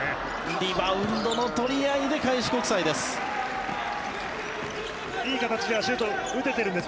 リバウンドの取り合いで開志国際です。